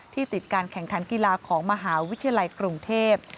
ติดการแข่งขันกีฬาของมหาวิทยาลัยกรุงเทพ